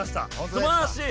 すばらしい！